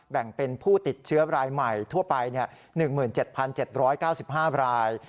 แบ่งเป็นผู้ติดเชื้อรายใหม่ทั่วไป๑๗๗๙๕ราย